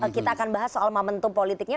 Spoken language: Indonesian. kita akan bahas soal momentum politiknya